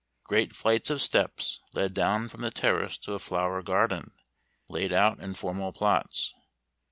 Great flights of steps led down from the terrace to a flower garden laid out in formal plots.